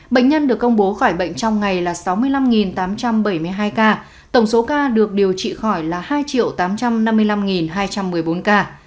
bệnh nhân được công bố khỏi bệnh trong ngày là sáu mươi năm tám trăm bảy mươi hai ca tổng số ca được điều trị khỏi là hai tám trăm năm mươi năm hai trăm một mươi bốn ca